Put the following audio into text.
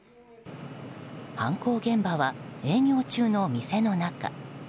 犯行現場は、営業中の店の中。